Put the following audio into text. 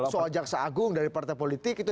soal jaksa agung dari partai politik itu